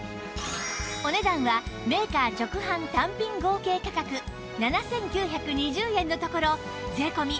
お値段はメーカー直販単品合計価格７９２０円のところ税込